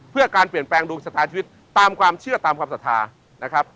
เพื่อการเปลี่ยนแปลงดวงชะตาชีวิตตามความเชื่อตามความศรัทธานะครับ